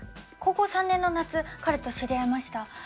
高校３年の夏彼と知り合いました。